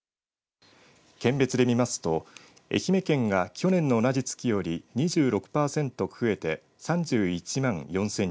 県別で見ますと愛媛県が去年の同じ月より２６パーセント増えて３１万４０００人